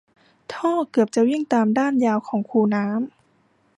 ท่อเกือบจะวิ่งตามด้านยาวของคูน้ำ